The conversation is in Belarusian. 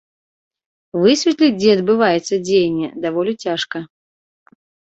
Высветліць, дзе адбываецца дзеянне, даволі цяжка.